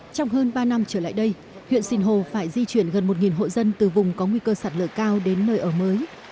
trong hơn ba năm trở lại đây huyện sinh hồ phải di chuyển gần một hộ dân từ vùng có nguy cơ sạt lở cao đến nơi ở mới